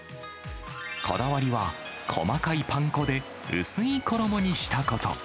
こだわりは、細かいパン粉で薄い衣にしたこと。